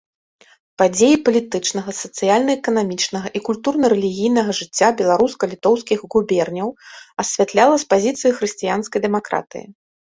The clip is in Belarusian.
Падзеі палітычнага, сацыяльна-эканамічнага і культурна-рэлігійнага жыцця беларуска-літоўскіх губерняў асвятляла з пазіцыі хрысціянскай дэмакратыі.